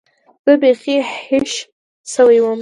زه بيخي هېښ سوى وم.